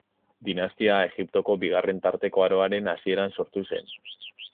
Dinastia Egiptoko bigarren tarteko aroaren hasieran sortu zen.